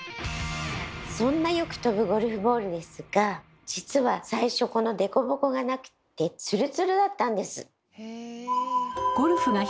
そんなよく飛ぶゴルフボールですが実は最初この凸凹がなくってツルツルだったんです。